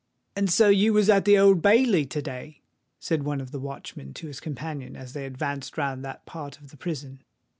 "And so you was at the Old Bailey to day?" said one of the watchmen to his companion, as they advanced round that part of the prison.